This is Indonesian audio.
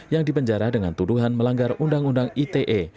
yang dipenjara dengan tuduhan melanggar undang undang ite